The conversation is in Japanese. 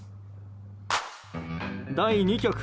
第２局。